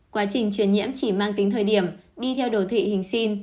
quá trình truyền nhiễm chỉ mang tính thời điểm đi theo đồ thị hình xin